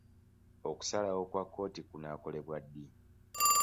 Okusalawo kwa kkooti kunaakolebwa ddi.